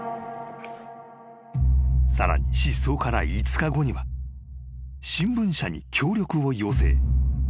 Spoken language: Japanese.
［さらに失踪から５日後には新聞社に協力を要請］